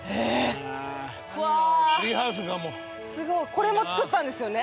これも造ったんですよね？